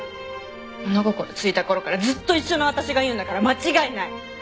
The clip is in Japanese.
物心ついた頃からずっと一緒の私が言うんだから間違いない！